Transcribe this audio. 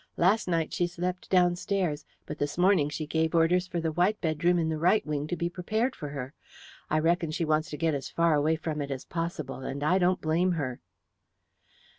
Last night she slept downstairs, but this morning she gave orders for the white bedroom in the right wing to be prepared for her. I reckon she wants to get as far away from it as possible, and I don't blame her."